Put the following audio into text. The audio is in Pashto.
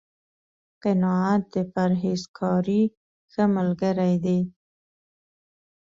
قناعت، د پرهېزکارۍ ښه ملګری دی